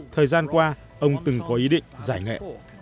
thời gian qua ông từng có ý định giải nghệ